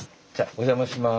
お邪魔します。